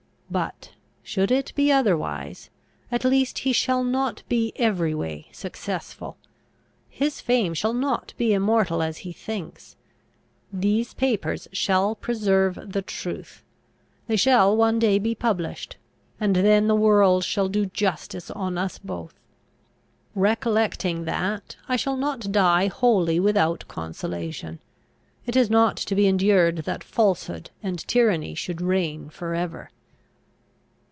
But, should it be otherwise, at least he shall not be every way successful. His fame shall not be immortal as he thinks. These papers shall preserve the truth; they shall one day be published, and then the world shall do justice on us both. Recollecting that, I shall not die wholly without consolation. It is not to be endured that falsehood and tyranny should reign for ever.